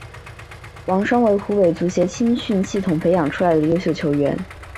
王霜为湖北足协青训系统培养出来的优秀球员。